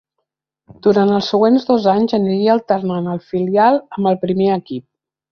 Durant els següents dos anys aniria alternant el filial amb el primer equip.